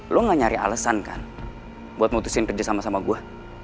lo gak nyari alasan kan buat mutusin kerja sama sama gue